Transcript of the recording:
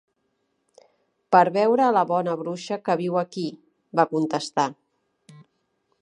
"Per veure a la Bona Bruixa que viu aquí." Va contestar.